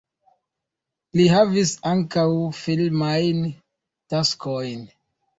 Li havis ankaŭ filmajn taskojn.